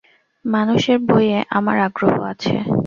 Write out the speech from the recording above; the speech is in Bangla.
মানুষের বইয়ে আমার আগ্রহ আছে।